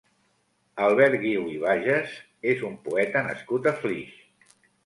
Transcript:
Albert Guiu i Bagés és un poeta nascut a Flix.